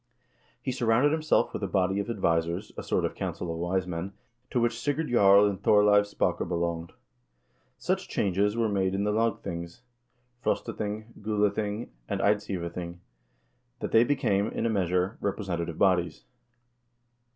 He surrounded himself with a body of advisers, a sort of council of wise men, to which Sigurd Jarl and Thorleiv Spake belonged.1 Such changes were made in the lagthings (Frostathing, Gulathing, and Eidsivathing) that they became, in a measure, representative bodies.